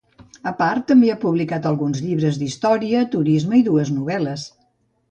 A part, també ha publicat alguns llibres d'història, turisme i dues novel·les.